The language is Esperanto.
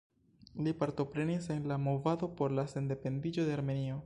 Li partoprenis en la movado por la sendependiĝo de Armenio.